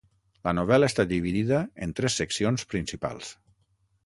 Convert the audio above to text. La novel·la està dividida en tres seccions principals.